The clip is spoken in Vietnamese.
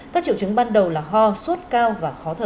các triệu chứng ban đầu là ho sốt cao và khó thở